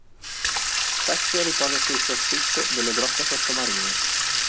Spesso riposa sul soffitto delle grotte sottomarine.